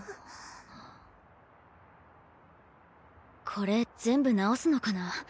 これ全部直すのかな？